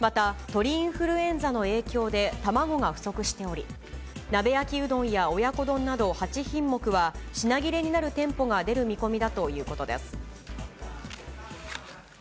また、鳥インフルエンザの影響で、卵が不足しており、鍋焼きうどんや親子丼など８品目は、品切れになる店舗が出る見込みだということです。